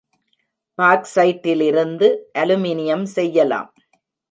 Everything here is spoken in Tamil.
பாக்சைட்டிலிருந்து அலுமினியம் செய்யலாம்.